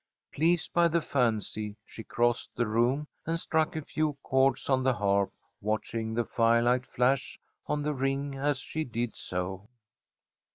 Pleased by the fancy, she crossed the room and struck a few chords on the harp, watching the firelight flash on the ring as she did so.